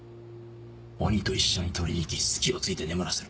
鬼と一緒に取りに行き隙を突いて眠らせる。